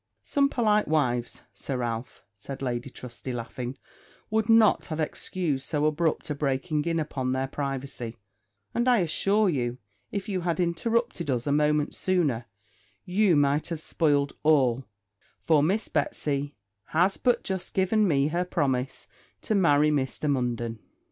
'Some polite wives, Sir Ralph,' said Lady Trusty, laughing, 'would not have excused so abrupt a breaking in upon their privacy; and I assure you, if you had interrupted us a moment sooner, you might have spoiled all, for Miss Betsy has but just given me her promise to marry Mr. Munden.'